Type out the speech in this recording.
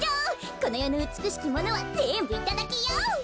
このよのうつくしきものはぜんぶいただきよ！